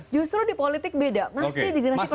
justru di politik beda masih di generasi pertama